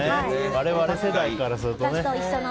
我々世代からするとね。